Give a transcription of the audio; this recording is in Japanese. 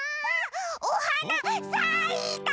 おはなさいた！